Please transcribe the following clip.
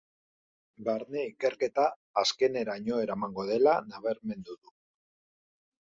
Barne ikerketa azkeneraino eramango dela nabarmendu du.